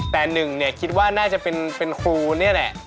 แต่หนึ่งเนี่ยคิดว่าน่าจะเป็นครูนี่แหละ